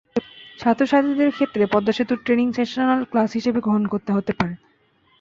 ছাত্রছাত্রীদের ক্ষেত্রে পদ্মা সেতুর ট্রেনিং সেশনাল ক্লাস হিসেবে গণ্য হতে পারে।